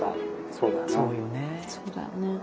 そうだよな。